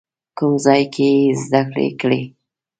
کوم ځای کې یې زده کړې کړي؟